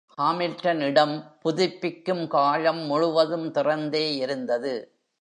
Hamilton இடம் புதுப்பிக்கும் காலம் முழுவதும் திறந்தே இருந்தது.